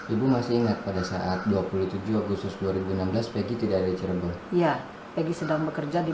ibu masih ingat pada saat dua puluh tujuh agustus dua ribu enam belas peggy tidak ada di cirebon ya egy sedang bekerja di